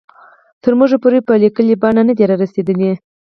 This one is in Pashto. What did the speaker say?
تر موږ پورې په لیکلې بڼه نه دي را رسېدلي.